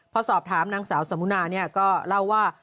พอสอบถามนางสาวสมุนาก็เล่าว่า